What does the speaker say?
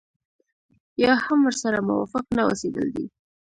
يا هم ورسره موافق نه اوسېدل دي.